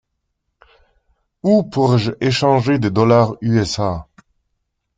Où pourrais-je échanger des dollars USA ?